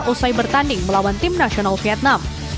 usai bertanding melawan timnasional vietnam